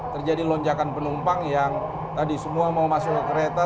terjadi lonjakan penumpang yang tadi semua mau masuk ke kereta